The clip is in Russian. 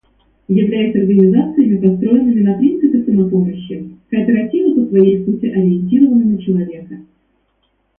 Являясь организациями, построенными на принципе самопомощи, кооперативы по своей сути ориентированы на человека.